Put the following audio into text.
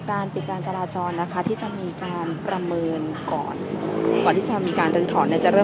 และขั้นตามก่อนก่อนสร้างมีรายละเอียดอะไรยังไงนะครับ